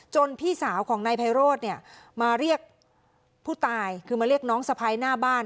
พี่สาวของนายไพโรธเนี่ยมาเรียกผู้ตายคือมาเรียกน้องสะพ้ายหน้าบ้าน